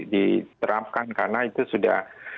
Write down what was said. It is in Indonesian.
diterapkan karena itu sudah